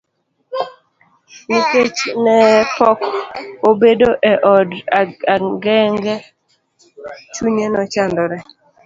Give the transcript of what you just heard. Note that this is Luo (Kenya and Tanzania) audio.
Nikech ne pok obedo e od ang'enge, chunye nechandore.